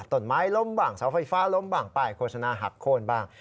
ต้นไม้ล้มบ้างเสาไฟฟ้าล้มบ้างป้ายโฆษณาหักโค้นบ้าง